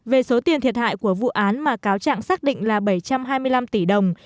về số tiền thiệt hại của vụ án mà cáo trạng xác định là bảy trăm hai mươi năm tỷ đồng